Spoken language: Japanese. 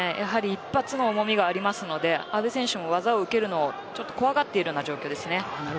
一発の重みがあるので阿部選手も技を受けるのを怖がっている状況です。